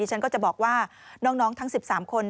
ฉันก็จะบอกว่าน้องทั้ง๑๓คน